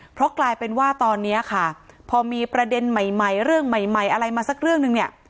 เพราะกลายเป็นว่าตอนนี้ค่ะพอมีประเด็นใหม่เรื่องใหม่อะไรมาสักเรื่องนึงเนี่ย